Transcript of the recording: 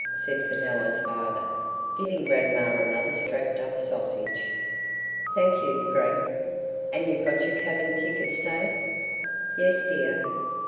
said Fenella's father, giving grandma another strapped up sausage. "Thank you, Frank." "And you've got your cabin tickets safe?" "Yes, dear."